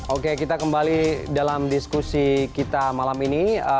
oke kita kembali dalam diskusi kita malam ini